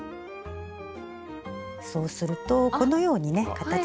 そうするとこのようにね形が。